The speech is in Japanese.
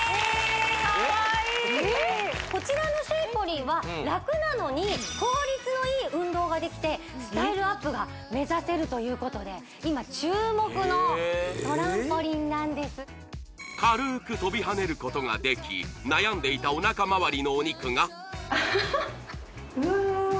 ・かわいいこちらのシェイポリンは楽なのに効率のいい運動ができてスタイルアップが目指せるということで今注目のトランポリンなんですえっ軽く跳びはねることができ悩んでいたおなかまわりのお肉がアハハうわ